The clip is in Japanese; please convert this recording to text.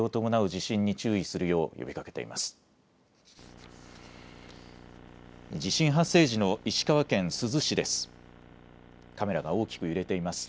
地震発生時の石川県珠洲市です。